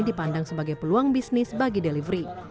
dipandang sebagai peluang bisnis bagi delivery